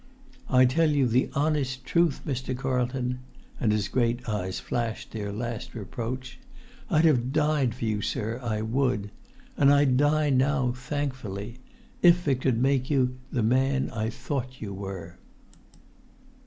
I tell you the honest truth, Mr. Carlton," and his great eyes flashed their last reproach: "I'd have died for you, sir, I would! And I'd die now—thankfully—if it could make you the man I thought you were!"